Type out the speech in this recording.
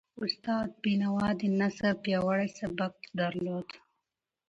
استاد بینوا د نثر پیاوړی سبک درلود.